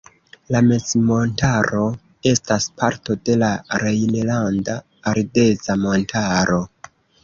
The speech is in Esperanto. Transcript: La mezmontaro estas parto de la Rejnlanda Ardeza Montaro.